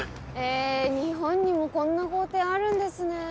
え日本にもこんな豪邸あるんですねぇ。